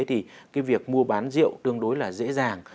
thì cái việc mua bán rượu tương đối là dễ dàng